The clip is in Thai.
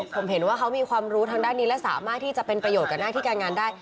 ผมเห็นว่าเขามีความรู้ทางด้านนี้และสามารถที่จะเป็นประโยชน์กับหน้าที่การงานได้